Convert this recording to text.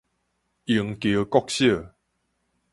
螢橋國小